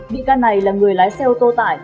bị can này là người lái xe ô tô tải